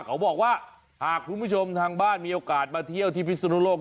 เขาบอกว่าหากคุณผู้ชมทางบ้านมีโอกาสมาเที่ยวที่พิศนุโลก